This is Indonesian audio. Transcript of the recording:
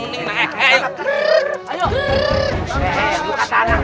eh eh enak enak enak enak eh eh eh eh eh